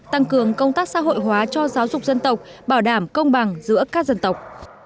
tăng cường công tác xã hội hóa cho giáo dục dân tộc bảo đảm công bằng giữa các dân tộc